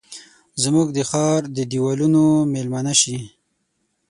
زموږ د ښارد دیوالونو میلمنه شي